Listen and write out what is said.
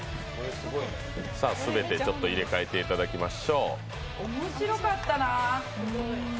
全て入れ替えていただきましょう。